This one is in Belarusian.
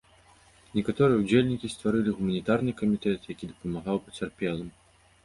Некаторыя ўдзельнікі стварылі гуманітарны камітэт, які дапамагаў пацярпелым.